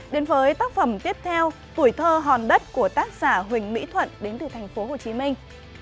đến với tác phẩm tiếp theo tuổi thơ hòn đất của tác giả huỳnh mỹ thuận đến từ thành phố hồ chí minh